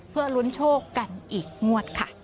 เพื่อลุ้นโชคกันอีกงวดค่ะ